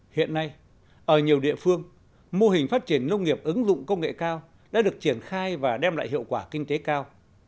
hiện nay ở nhiều địa phương mô hình phát triển nông nghiệp ứng dụng công nghệ cao đã được triển khai và đem lại hiệu quả kinh tế cao